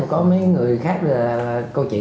có mấy người khác câu chuyện